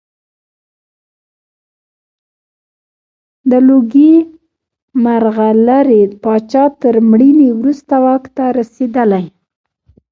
د لوګي مرغلرې پاچا تر مړینې وروسته واک ته رسېدلی.